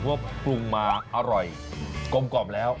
เพราะว่าปรุงมาอร่อยกลมกล่อมแล้ว